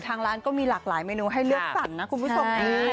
ทางร้านก็มีหลากหลายเมนูให้เลือกสั่งนะคุณผู้ชม